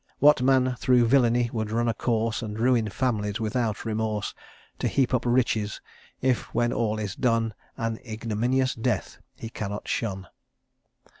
What man through villany would run a course, And ruin families without remorse, To heap up riches if, when all is done, An ignominious death he cannot shun?